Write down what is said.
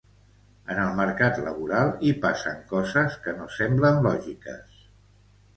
En el mercat laboral, hi passen coses que no semblen lògiques.